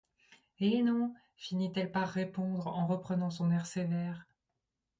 Eh non! finit-elle par répondre, en reprenant son air sévère.